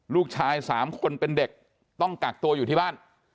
ลูกชาย๓คนเป็นเด็กต้องกักตัวอยู่ที่บ้าน